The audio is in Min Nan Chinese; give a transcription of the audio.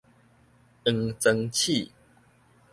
黃磚鼠